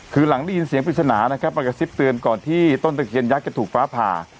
คือหลังได้ยินเสียงปริศนานะครับมากระซิบเตือนก่อนที่ต้นตะเคียนยักษ์จะถูกฟ้าผ่า